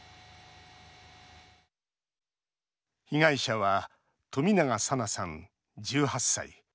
被害者は冨永紗菜さん、１８歳。